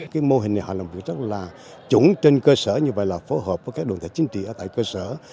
cái mô hình này họ làm được rất là trúng trên cơ sở như vậy là phối hợp với các đường thể chính trị ở tại cơ sở